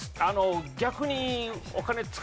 逆に。